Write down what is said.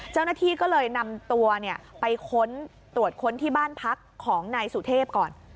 เจ้าหน้าที่ก็เลยนำตัวไปค้นตรวจค้นที่บ้านพักของนายสุเทพก่อน